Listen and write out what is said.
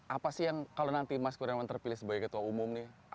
apa sih yang kalau nanti mas kurniawan terpilih sebagai ketua umum nih